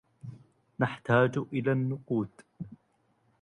نحتاج الى النقود